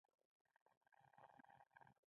زرګونه کاله مخکې د مایا دولت ښارونه ورسره مخ سول